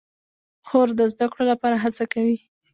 خور د زده کړو لپاره هڅه کوي.